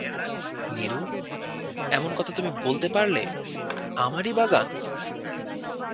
নীরু, এমন কথা তুমি বলতে পারলে, আমারই বাগান?